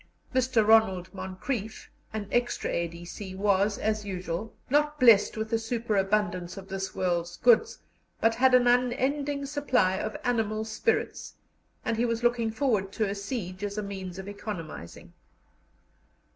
Mr. Ronald Moncrieff, an extra A.D.C., was, as usual, not blest with a superabundance of this world's goods, but had an unending supply of animal spirits, and he was looking forward to a siege as a means of economizing.